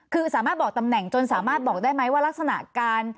คือสามารถบอกตำแหน่งจนสามารถบอกได้ไหมว่ารักษณะการ